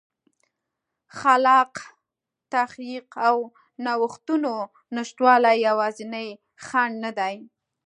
خلاق تخریب او نوښتونو نشتوالی یوازینی خنډ نه دی